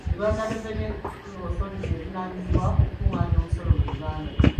Uganda Revenue Authority evunaanyizibwa ku kukungaanya omusolo mu Uganda.